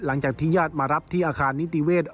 หลังจากที่ญาติมารับที่อาคารนิติเวศ